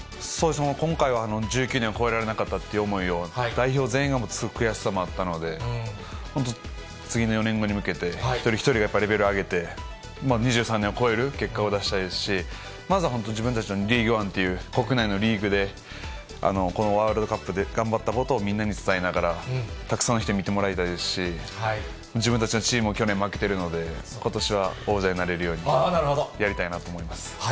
もう今回は１９年を超えられなかったという思いを代表全員が持つ悔しさがあったので、次の４年後に向けて、一人一人やっぱりレベルを上げて、２３年を超える結果を出したいですし、まずは本当、自分たちのリーグワンっていう国内のリーグで、このワールドカップで頑張ったことをみんなに伝えながら、たくさんの人に見てもらいたいですし、自分たちのチームも去年負けてるので、ことしは王者になれるようにやりたいなと思います。